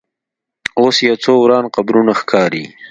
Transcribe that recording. اوس یو څو وران قبرونه ښکاري.